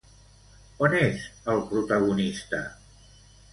On és el protagonista?